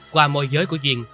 qua môi giới của duyên